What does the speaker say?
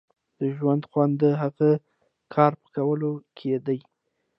د ژوند خوند د هغه کار په کولو کې دی.